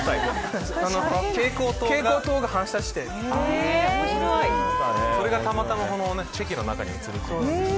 蛍光灯が反射してそれがたまたまチェキの中に写り込んで。